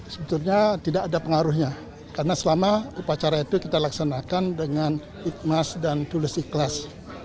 sebetulnya tidak ada pengaruhnya karena selama upacara itu kita laksanakan dengan ikhlas dan tulis ikhlas